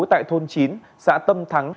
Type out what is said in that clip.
tại thôn chín xã tâm thắng